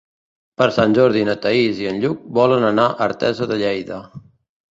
Per Sant Jordi na Thaís i en Lluc volen anar a Artesa de Lleida.